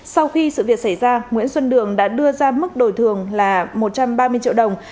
sau khi sự việc xảy ra nguyễn xuân đường đã đưa ra mức đổi thường là một trăm ba mươi triệu đồng